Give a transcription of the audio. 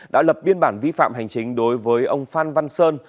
đã lập biên bản vi phạm hành chính đối với ông phan văn sơn